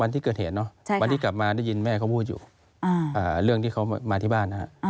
ที่เกิดเหตุเนอะวันที่กลับมาได้ยินแม่เขาพูดอยู่เรื่องที่เขามาที่บ้าน